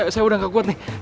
saya udah gak kuat nih